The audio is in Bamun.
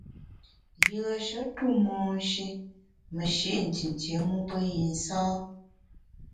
Yùeshe tu monshi meshi’ mi ntintié mu pe yi nsâ.